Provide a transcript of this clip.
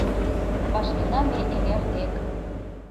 Вашкена ме эҥер дек.